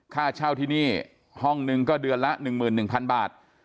ค่าเช่าที่นี่ห้องนึงก็เดือนละ๑๑๐๐๐บาท